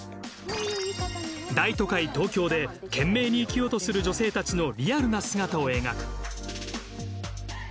大都会東京で懸命に生きようとする女性たちのリアルな姿を描く。